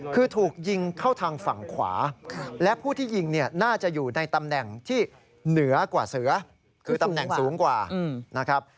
คือถูกยิงเข้าทางฝั่งขวาและผู้ที่ยิงเนี่ยน่าจะอยู่ในตำแหน่งที่เหนือกว่าเสือคือตำแหน่งสูงกว่านะครับ